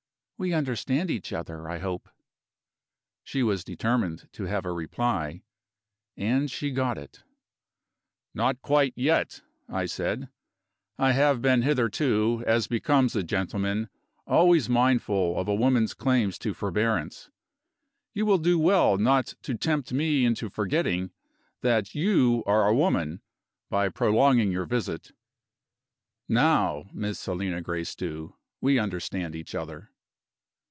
We understand each other, I hope?" She was determined to have a reply and she got it. "Not quite yet," I said. "I have been hitherto, as becomes a gentleman, always mindful of a woman's claims to forbearance. You will do well not to tempt me into forgetting that you are a woman, by prolonging your visit. Now, Miss Helena Gracedieu, we understand each other."